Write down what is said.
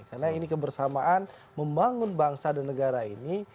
karena ini kebersamaan membangun bangsa dan negara ini